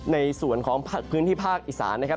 ในส่วนของพื้นที่ภาคอีสานนะครับ